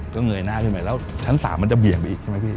ก็เงยหน้าขึ้นไปแล้วชั้น๓มันจะเบี่ยงไปอีกใช่ไหมพี่